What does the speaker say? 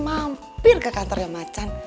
mampir ke kantornya ma can